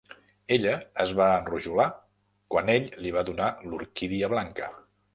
Ella es va enrojolar quan ell li va donar l'orquídia blanca.